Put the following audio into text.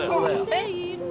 えっ？